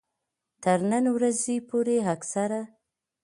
تر نن ورځې پورې اکثره